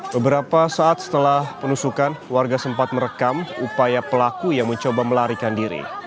beberapa saat setelah penusukan warga sempat merekam upaya pelaku yang mencoba melarikan diri